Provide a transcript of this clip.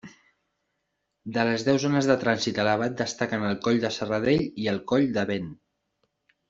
De les deu zones de trànsit elevat destaquen el coll de Serradell i el coll de Vent.